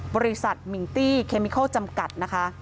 บริษัทมิงตี้เคมิเคิลจำกัดนะคะ